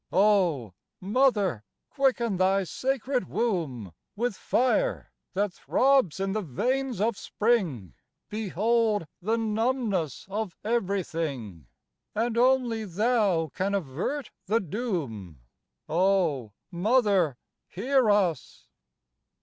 "Oh! Mother, quicken thy sacred womb, With fire that throbs in the veins of Spring, Behold the numbness of everything, And only thou can avert the doom." "Oh! Mother, hear us!"